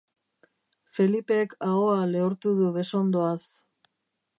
Felipek ahoa lehortu du besondoaz.